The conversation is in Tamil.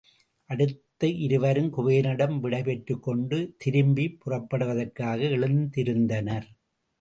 அடுத்து இருவரும் குபேரனிடம் விடை பெற்றுக்கொண்டு திரும்பிப் புறப்படுவதற்காக எழுந்திருந்தனர்.